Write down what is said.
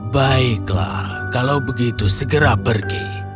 baiklah kalau begitu segera pergi